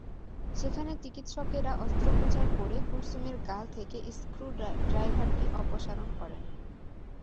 সেখানে চিকিৎসকেরা অস্ত্রোপচার করে কুলসুমের গাল থেকে স্ক্রু ড্রাইভারটি অপসারণ করেন।